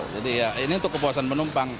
jadi ya ini untuk kepuasan penumpang